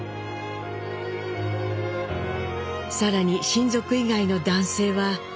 更に親族以外の男性は。